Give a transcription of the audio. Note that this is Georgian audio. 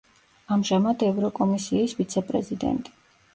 ამჟამად ევროკომისიის ვიცე-პრეზიდენტი.